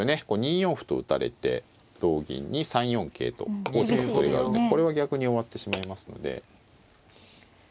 こう２四歩と打たれて同銀に３四桂と王手角取りがあるんでこれは逆に終わってしまいますので。